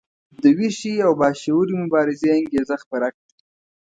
د ویښې او باشعوره مبارزې انګیزه خپره کړه.